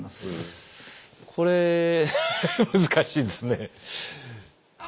これ難しいですね。